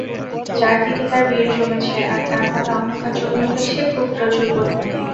চার দিকে তার ভিড় জমেছে আর তার মনে অহংকার জমে উঠেছে খুব প্রচুর পরিমাণে।